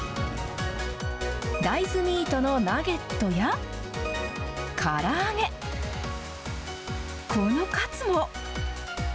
大豆ミートのナゲットや、から揚げ、このカツも。